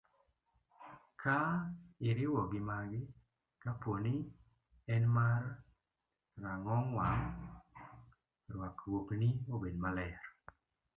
Ka iriwo gi magi, kapo ni en mar rang'ong wang', rwakruokni obed maler.